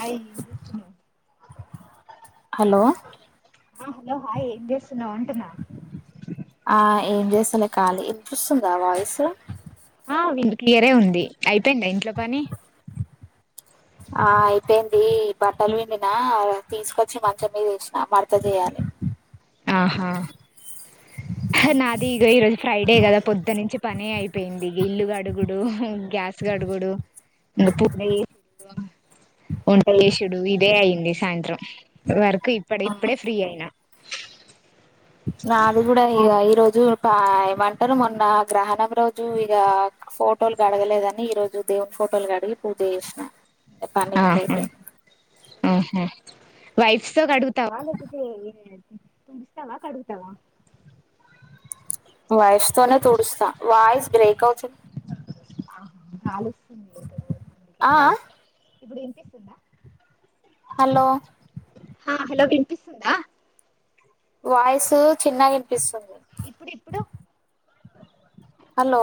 Oil hello ఆ hello hi ఎమ్ చేస్ ఇంగా ఉంటున్నా ఆ ఏం చేస్తాలే ఖాళీ వినిపిస్తుందా వాయిస్ [unintelligible] క్లియరే ఉంది అయిపోయిందా ఇంట్లో పని ఆ అయిపోయింది బట్టలు పిండినా తీసుకొచ్చి మంచం మీద వేసినా మడతా చేయాలి. ఆహా నాది ఇగో ఈరోజు ఫ్రైడే కదా పొద్దా నుంచి పని అయిపోయింది ఇల్లు కడుగుడు, గ్యాస్ కడుగుడు [unintelligible] వంటలు చేసుడు ఇదే అయింది. సాయంత్రం వర్క్ ఇప్పుడే ఇప్పుడే ఫ్రీ అయినా నాది కూడా ఇగా ఈ రోజు ఏమంటారు మొన్న గ్రహణం రోజు ఇగా ఫోటోలు కడగలేదని ఈ రోజు దేవుని ఫోటోలు కడిగి పూజ చేసిన పనికి ఆహా పోయితే ఆహా వైఫ్ ఎోగా అడుగుతావా లేకపోతే డుస్తావా కడుగుతావా వయసు తోనే తుడుస్తా వాయిస్ బ్రేక్ అవుతుంది [unintelligible] ఆ ఆ ఇప్పుడు వినిపిస్తుందా హలో ఆ హలో వినిపిస్తుందా వాయిసు చిన్నగా వినిపిస్తుంది. ఇప్పుడు ఇప్పుడు హలో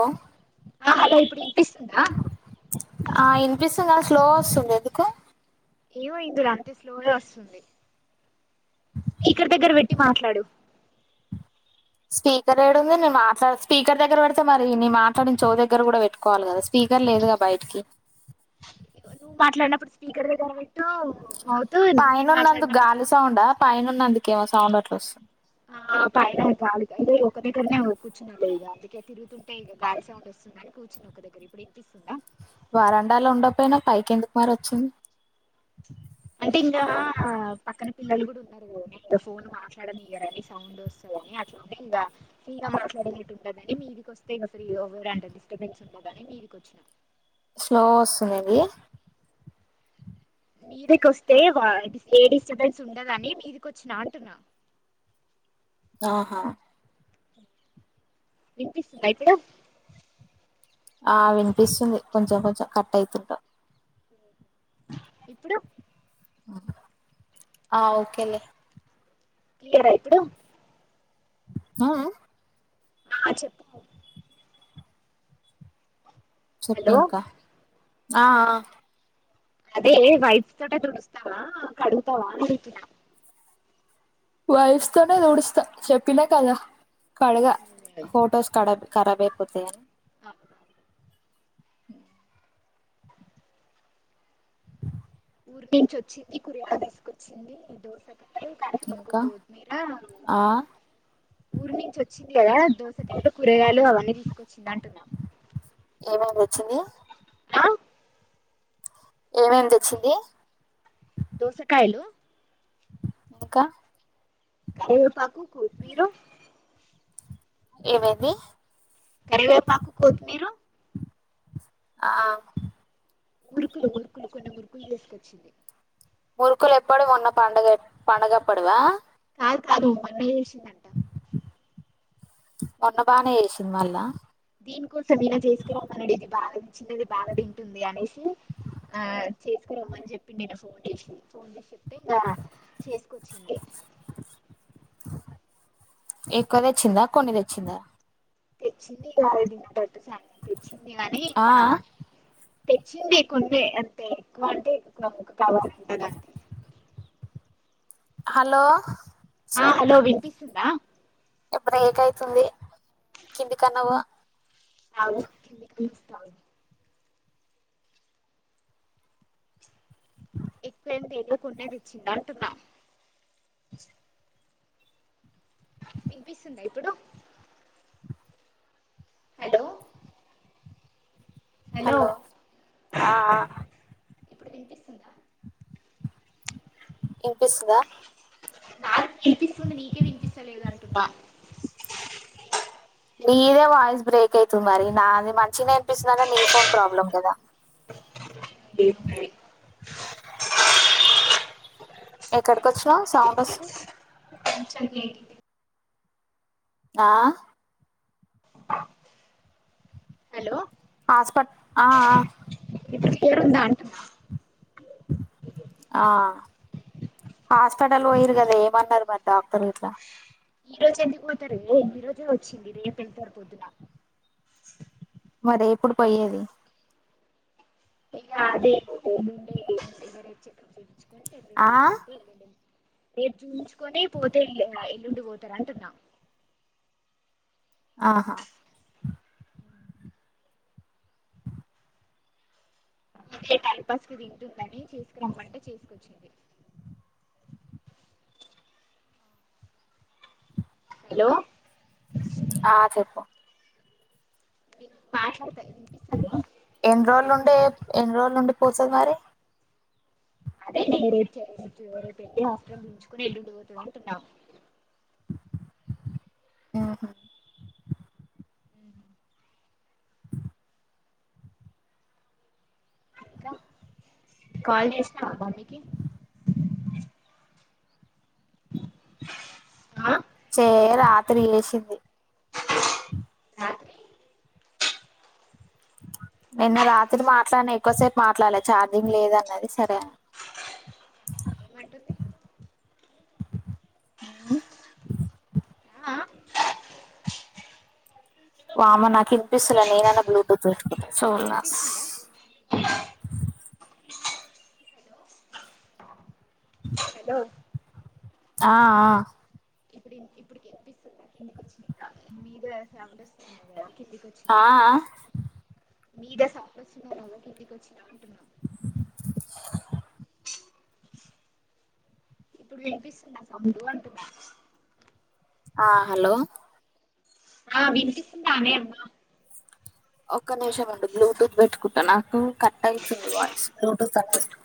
ఆ హ ఇప్పుడు వినిపిస్తుందా ఆ ఇనిపిస్తుంద స్లో వస్తుంది ఎందుకు ఏమైదురు అంతే స్లోగా వస్తుంది స్పీకర్ దగ్గర పెట్టి మాట్లాడు స్పీకర్ ఏడుంది నేను మాట్లా స్పీకర్ దగ్గర పెడితే మరి నీ మాట్లాడి చేవు దగ్గర కూడా పెట్టుకోవాలి కదా స్పీకర్ లేదుగాద బయటికి నువ్వు మాట్లాడినప్పుడు స్పీకర్ దగ్గర పెట్టు మౌత్ నేను పైనన్నందు మాట్లాడినప్పుడు గాలి సౌడా పైనన్నందు ేమ సౌండ్ అట్లా వస్తుంది ఆైన ఒక దగ్గర కూర్చు ఇ అందుకే తిరుగుతుంటే గా సౌండ్ వస్తుందిని కూర్చుని ఒక దగ్గర ఇప్పుడు ఇనిపిస్తుందా వరండాలో ఉండకపోయినావ్ పైకి ఎందుకు మరి వచ్చింనవ్ అంటే ఇంకా పక్కన పిల్లలు కూడా ఉన్నారు ఫోన్ మాట్లాడనియరని సౌండ్ వస్తుని అే ఇంకా ఫ్రీగా మాట్లాడదని మీక వస్తే డిస్టబెన్స్ ఉని మీక వచ్చినా స్లో వస్తుందిది మీదికి వస్తే ఏ డిస్టర్బెన్స్ ఉండదని మీదిక వచ్చిన అంటున్నా ఆహా వినిపిస్తుందా ఇప్పుడు ఆ వినిపిస్తుంది కొంచెం కొంచెం కట్ అవుతుంటాం ఇప్పుడు ఆ ఓకేలే క్లియర్ ఇప్పుడు ఆ ఆ ఆ చెప్పు హలో చెప్పింక ఆ అదే వైప్స్ తోట తుడస్తావా కడతావా అని అడుగుతున్న వైప్స్ తోనే తుడుస్త చెప్ పిన కాలా కడుగ ఫోటోస్ కడ కరాబ్ అయిపోతాయని అ హు ఊరి నుంచి వచ్చింది కురగయా బసుకొచ్చింది ఈ దోస ఇంకా ఆ ఊరు నుంచి వచ్చింది కదా దోసకలు కూరగాయలు అవన్నీ తీసుకొచ్చింది అంటున్నా వచ్చింది ఆ ఏమేమి తెచ్చింది దోసకాయలు ఇంకా ఏ పక్ కుంకు పీరు ఏమైంది కరివేపాకు కొత్తిమీర ఆ మురుకులు మురుకులు కొన్ని మురుకులు చేసుకొచ్చింది మురుకులు ఎప్పుడు మొన్న పండుగ పండుగప్పడివా ఆ కాదు పండగ చేసి మొన్న బానే చేసింది మళ్ళా దీని కోసం ఈనా చేసుకురామనడిగింద మంచిగా ఇది బాగా తింటుంది అనేసి అ చేసుకురమ్మని చెప్పిన నిన్న ఫోన్ చేసి ఫోన్ చేసి ఇగా చేసుకొచ్చింది ఎక్కువ తెచ్చిందా కొన్ని తెచ్చిందా తెచ్చింది ఇగా దీనింటా తెచ్చింది గని ఆ బా తెచ్చింది కొన్నే అంటే ఎక్కువ అంటే ఎ [unintelligible] కావాలకుంటుే హలో హలో వినిపిస్తుందా ఎప్పుడ ఏక్ అయితుంది కింది కన్నా పా ఆవు కిందికి వస్తా ఎక్కువ ఏమి తెలేకుండా తెచ్చింద అంటున్నా వినిపిస్తుందా ఇప్పుడు హలో హలో ఆ అ ఇప్పుడు వినిపిస్తుందా ఇంపిస్తుందా నాకు వినిపిస్తుంది నీకే వినిపిస్తలేదు అంటున్నా నీదే వాయిస్ బ్రేక్ అవుతుంది మరి నాది మంచి నే సవా నీ ఫోన్ ప్రాబ్లం కదా అ ఏయి ఎక్కడికి వచ్చినావు సౌండ్ వస్తుంది సర్లే అయితే ఆ హలో హాస్పట్ ఆ ఆ పెరుగు ఉందా అని అంటున్న ఆ హాస్పిటల్ పోయరు కదా ఏమన్నారు మరి డాక్టర్ ఇట్లా ఈ రోజు ఎందుకుపోతారు ఏ ఈ రోజే వచ్చింది రేపు వెళ్తారు పొద్దున మరి ఎప్పుడు పోయేది ఇగ అదే [inaudible] ఆ రేపు చూయించుకొని పోతే ఎల్లుండి పోతారు అంటున్నా ఆహా అదే టైంపాస్ కి తింటుందని చేసుకు రమ్మంటే చేసుకొచ్చింది హలో ఆ చెప్పు మాష తే ఎన్ని రోజులండి పోతది మరి అదేనే పెట్టి హాస్పిటల్ చూపించుకుని ఎల్లుండి పోతాం అంటున్నాం ఆహా ఉహూ ఇంకా కాల్ చేసినా బాబి కి ఆ చే రాత్రి వేసింది రాత్రి నిన్న రాత్రి మాట్లాడినా ఎక్కువసేపు మాట్లాడాలలే ఛార్జింగ్ లేద అన్నది సరే అ ఏమంటుంది ఉమ్ ఆ వామనా విన్పిస్తలే నేనన్న బ్లూటూత్ పెట్టుకుంటా ఇప్పుడు సోనా వినిపిస్తుందా హలో హలో ఆ ఆ ఇప్పుడు ఇప్పుడు వినిపిస్తుందా కిందికొచ్చిన మీద దగ్గర ఏదో సౌండ్ వస్తుంది కదా కిందికి వచ్చిన ఆ ఆ మీదే సౌండ్ వచ్చినా కదా కిందికి వచ్చినాంటు ఇప్పుడు వినిపిస్తున్నా సౌండు అంటున్నా ఆ హలో ఆ వినిపిస్తుందానే అమ్మ ఒక్క నిమిషండి బ్లూటూత్ పెట్టుకుంటా నాకు కట్ అయితుంది వాయిస్ బ్లూటూత్ అన్న పెట్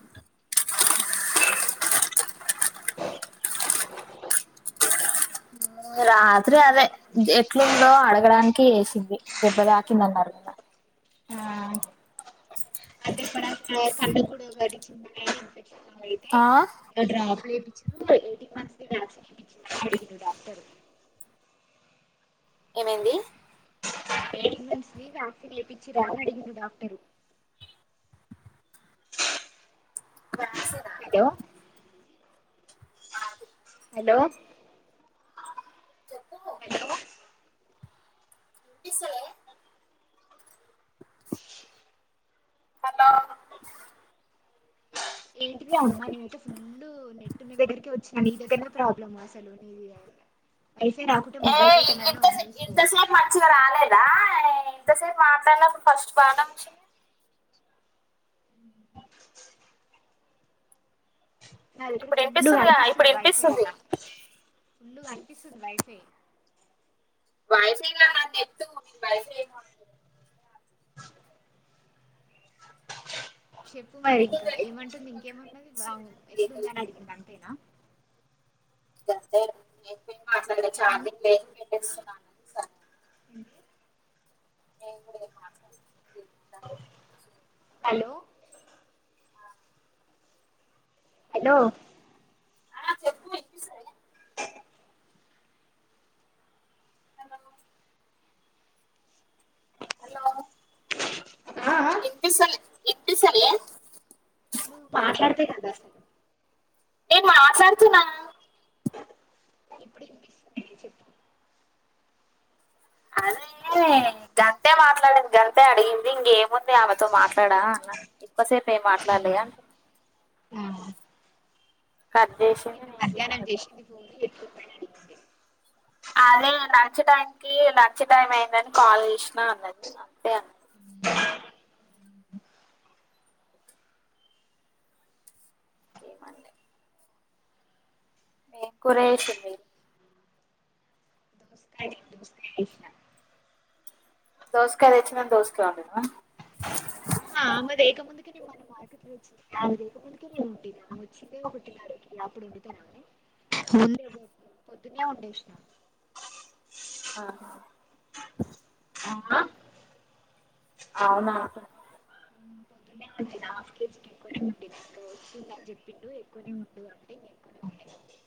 రాత్రి అదే ఎట్లుందో అడగడానికి వేసింది దెబ్బ తాకిందన్నారు కదా ఆ [unintelligible] [unintelligible] ఆ ఎయిటీన్ డాక్టరు ఏమైంది వక్సిన్ వేపించిర్రా అని అడిగిండు డాక్టరు వాక్సో హలో హలో చెప్పు హలో వినిపిస్తలే హలో ఏంటిది అమ్మా నేనయితే ఫుల్ నెట్ ఉన్న దగ్గరికే వచ్చి నీ దగ్గరనే ప్రాబ్లమ్స అసలు వైఫై రాకుంటే ఏ మొబైల్ డేట అన ఇంత ఆన్ చేసుకో ఎంతసేపు మాట్లాడాలప్పుడు ఫస్ట్ బటన్ వచ్చింది నా దగ్గర ఇప్పుడు ఫుల్లు వినిపిస్తుందిగా ఇప్పుడు కనిపిస్తుంది వైఫై ఈడ వినిపిస్తుంది ఫుల్గా కనిపిస్తుంది వైఫై వైఫై గాదు నా దగ్గర నెట్టు వైఫై ఏమ చెప్పు మరి బ్లూటూత్ ఇంకా పెట్టుకున్నా ఇప్పుడు ఏమంటుంది కొంచెం ఇంకేమంటుంది వినిపిస్తుంది బాగు కానీ బ్రేక్ ఎట్లుంది అయితుంది అని అడిగింది అంతేనా [unintelligible] నాకాడ ఛార్జింగ్ లేదు నేను పెట్టేస్తున్నా సరే [unintelligible] హలో హలో ఆ చెప్పు వినిపిస్థలే హలో హలో ఆ ఆ ఎంత సార్ ఎంటి సరే బ ఏ మాట్లాడుతున్నా ఇప్పుడు చెప్పు అదే గంతే మాట్లాడింది గంతే అడిగింది ఇంగేముంది ఆమెతో మాట్లాడా అన్న ఎక్కువసేపు ఏం ఆ, మాట్లాలే అంటున్న ఆ కట్ నాకు చేసింది నిన్న నేను గిట్లా మధ్యాహ్నం కట్ చేసిన జేసింది ఫోను ఎత్తుక అదే లంచ్ టైం కి లంచ్ టైమ్ అయిందని కాల్ చేసినా అన్నది అంతే అ ఉ ఇంకేం మాన్లే ఏం కూర చేసింది తీసిన దోస్కాయ తెచ్చినం దోస్కాయ వండినవ అమె తేక ముందుకేే నేను మన మార్కెట్ ల వచ్చిక ముందుకే నేనుంటటి వచ్చిందే పుట్టిన అప్పుడు వండితానుని ముందే పో పొద్దునే ఉండేసినాను ఆ అవునా పొద్దునే వండిన హాఫ్ కేజీకి ఎక్కువనే వండినా వచ్చిందని చెప్పిండు ఎక్కువనే వండు అంటే ఎక్కువనే వండేసిన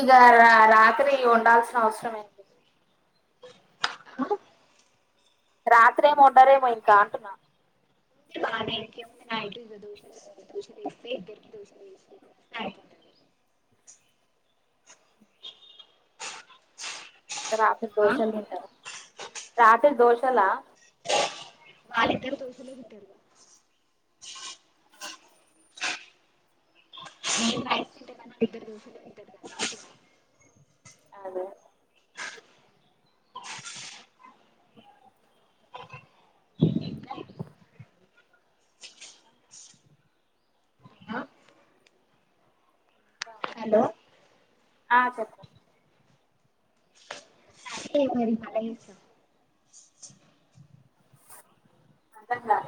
ఇగా రా రాత్రి వండాల్సిన అవసరం ఏంటి అ రాత్రీ ఏం వండరేమో ఇంకా అంటున్నా ఆమే ఎనుకే ఉండి నా ఎదురుగా దోషలు లేస్తుంది ఇద్దరికి దోష గా రాత్రి దోశలు తింటరా రాత్రి దోషాల ఆళ్ళిద్దరూ దోశలే తింటడు మేం రైస్ తింటాం కానీ వాళ్ళిద్దరూ దోశలే తింటారు అదే హలో ఆ చెప్పు ఒకే మరి మల్ల చేస్తా అర్ధంకాలే